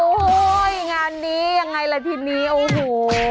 โอ้โหงานนี้ยังไงล่ะทีนี้โอ้โห